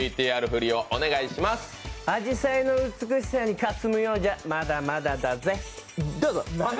あじさいの美しさにかすむようじゃまだまだだぜっ！